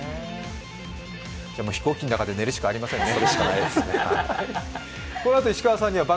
飛行機の中で寝るしかありませんね。